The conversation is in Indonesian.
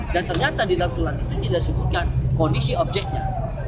di dalam surat ini tidak sebutkan kondisi objeknya